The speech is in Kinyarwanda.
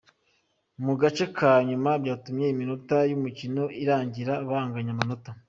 mu gace ka nyuma byatumye iminota ' y'umukino irangira banganya amanota.